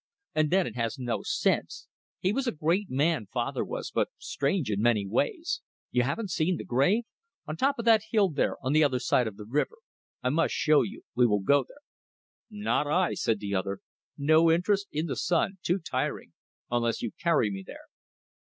And then it has no sense. He was a great man father was but strange in many ways. ... You haven't seen the grave? On the top of that hill, there, on the other side of the river. I must show you. We will go there." "Not I!" said the other. "No interest in the sun too tiring. ... Unless you carry me there."